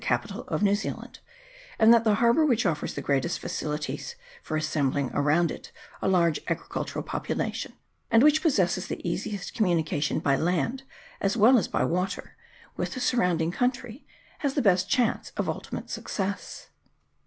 257 capital of New Zealand, and that the harbour which offers the greatest facilities for assembling around it a large agricultural population, and which possesses the easiest communication by land as well as by water with the surrounding country, has the best chance of ultimate success.